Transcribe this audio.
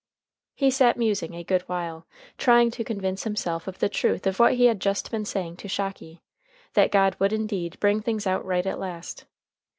He sat musing a good while, trying to convince himself of the truth of what he had just been saying to Shocky that God would indeed bring things out right at last.